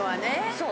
そう。